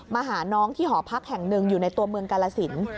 มาหาน้องที่หอพักแห่งหนึ่งอยู่ในตัวเมืองกาลสิน